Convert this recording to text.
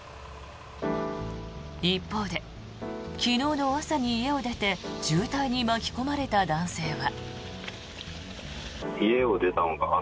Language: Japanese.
一方で昨日の朝に家を出て渋滞に巻き込まれた男性は。